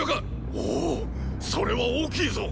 オオそれは大きいぞ！！